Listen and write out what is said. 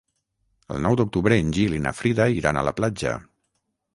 El nou d'octubre en Gil i na Frida iran a la platja.